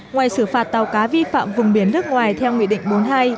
ngoài xử phạt tàu cá vi phạm vùng biển nước ngoài theo nghị định bốn mươi hai